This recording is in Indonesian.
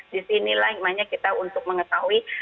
di sinilah yang mana kita bisa memiliki